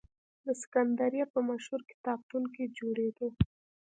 د سکندریه په مشهور کتابتون کې جوړېده.